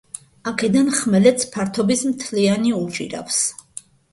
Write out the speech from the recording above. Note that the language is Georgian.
აქედან ხმელეთს ფართობის მთლიანი უჭირავს.